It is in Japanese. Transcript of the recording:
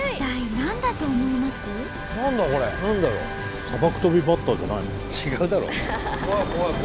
何だろう？